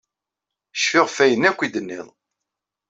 Cfiɣ ɣef akk ayen i d-tenniḍ.